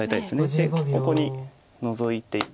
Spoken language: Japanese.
でここにノゾいていく。